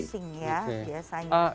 pusing ya biasanya